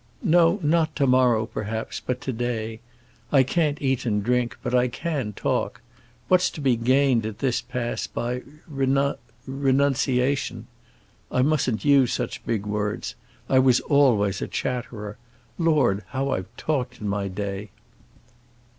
"No, not to morrow, perhaps, but to day. I can't eat and drink, but I can talk. What's to be gained, at this pass, by renun—renunciation? I mustn't use such big words. I was always a chatterer; Lord, how I have talked in my day!"